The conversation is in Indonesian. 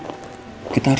lu gak liat duduk